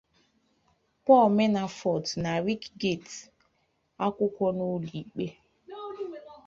Paul Menafort na Rick Gates akwụkwọ n’ụlọ ịkpe.